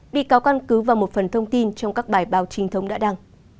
bị cáo căn cứ vào một phần thông tin trong các bài báo trinh thống đã đăng